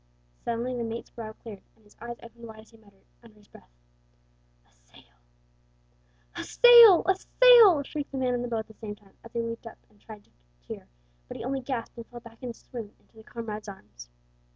Suddenly the mate's brow cleared, and his eyes opened wide as he muttered, under his breath, "A sail!" "A sail! a sail!" shrieked the man in the bow at the same moment, as he leaped up and tried to cheer, but he only gasped and fell back in a swoon into a comrade's arms.